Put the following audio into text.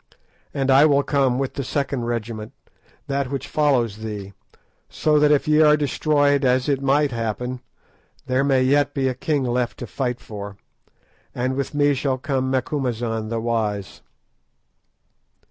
And I will come with the second regiment, that which follows thee, so that if ye are destroyed, as it might happen, there may yet be a king left to fight for; and with me shall come Macumazahn the wise."